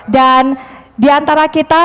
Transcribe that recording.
dan di antara kita